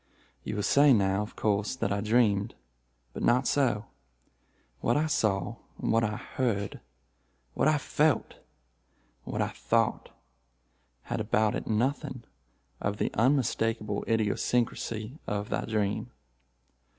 "You will say now, of course, that I dreamed; but not so. What I saw—what I heard—what I felt—what I thought—had about it nothing of the unmistakable idiosyncrasy of the dream.